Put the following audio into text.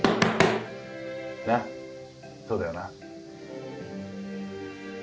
なそうだよな？